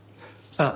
ああ！